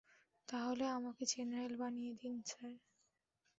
তাহলে আমাকে জেনারেল বানিয়ে দিন স্যার।